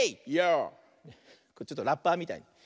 ちょっとラッパーみたい。